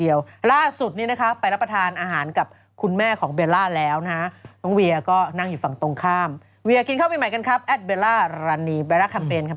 เรียกว่าขาดแล้วขาดเลยก็ได้แต่ด้วยความที่เราคบกันไม่นาน